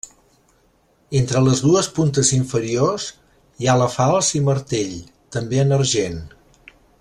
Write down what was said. Entre les dues puntes inferiors hi ha la falç i martell, també en argent.